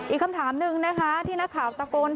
อีกคำถามหนึ่งนะฮะที่นักข่าวตะโกนถามเกี่ยวกับเรื่องคดี